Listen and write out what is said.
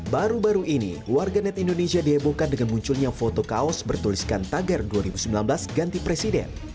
baru baru ini warga net indonesia dihebohkan dengan munculnya foto kaos bertuliskan tagar dua ribu sembilan belas ganti presiden